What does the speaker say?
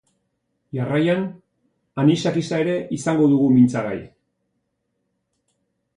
Jarraian, anisakisa ere izango dugu mintzagai.